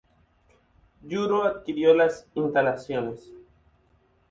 Iluro adquirió las instalaciones.